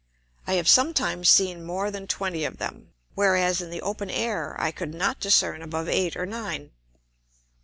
I have sometimes seen more than twenty of them, whereas in the open Air I could not discern above eight or nine.